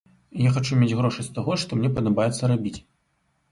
Я хачу мець грошы з таго, што мне падабаецца рабіць.